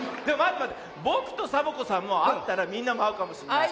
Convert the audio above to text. ぼくとサボ子さんもあったらみんなもあうかもしれない。